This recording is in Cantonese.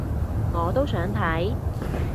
我都想睇